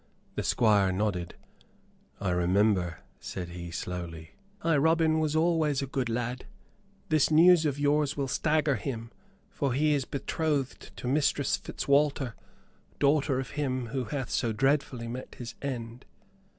The Squire nodded. "I remember," said he, slowly. "Ay, Robin was always a good lad. This news of yours will stagger him, for he is betrothed to Mistress Fitzwalter, daughter of him who hath so dreadfully met his end."